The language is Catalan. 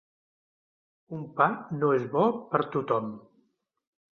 Un pa no és bo per tothom.